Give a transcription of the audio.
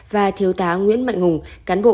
và thiếu tá nguyễn mạnh hùng cán bộ